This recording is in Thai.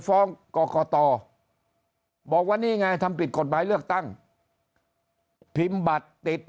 ฟ้องกรกตบอกว่านี่ไงทำผิดกฎหมายเลือกตั้งพิมพ์บัตรติด